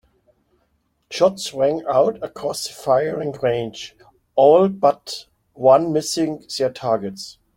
Shots rang out across the firing range, all but one missing their targets.